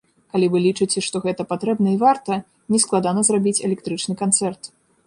Калі вы лічыце, што гэта патрэбна і варта, не складана зрабіць электрычны канцэрт.